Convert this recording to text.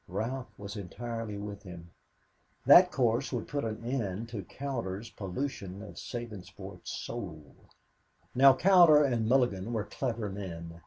Ralph was entirely with him. That course would put an end to Cowder's pollution of Sabinsport's soul. Now, Cowder and Mulligan were clever men.